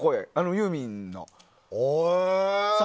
ユーミンの。